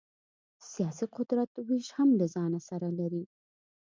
سیاسي قدرت وېش هم له ځان سره لري.